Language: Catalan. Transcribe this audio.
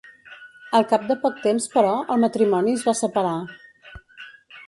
Al cap de poc temps però, el matrimoni es va separar.